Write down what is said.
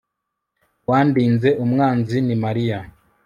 uwandinze umwanzi ni mariya